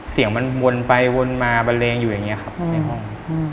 เสียงมันวนไปวนมาบันเลงอยู่อย่างนี้ครับในห้อง